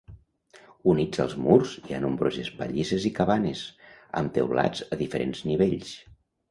Units als murs hi ha nombroses pallisses i cabanes, amb teulats a diferents nivells.